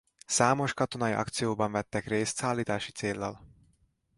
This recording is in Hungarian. Számos katonai akcióban vettek részt szállítási céllal.